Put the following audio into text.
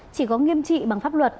chỉ có nghiêm trị bằng pháp luật